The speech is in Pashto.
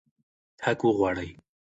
حق وغواړئ.